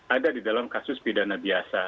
ada di dalam kasus pidana biasa